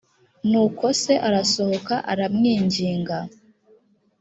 nuko se arasohoka aramwinginga